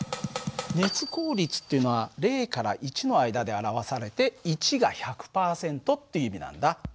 熱効率っていうのは０から１の間で表されて１が１００％っていう意味なんだ。